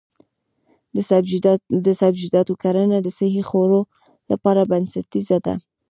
د سبزیجاتو کرنه د صحي خوړو لپاره بنسټیزه ده.